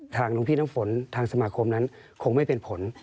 หลวงพี่น้ำฝนทางสมาคมนั้นคงไม่เป็นผล